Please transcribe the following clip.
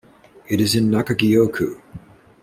It is in Nakagyo-ku.